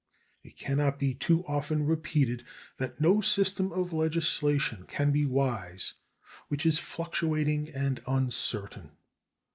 It can not be too often repeated that no system of legislation can be wise which is fluctuating and uncertain.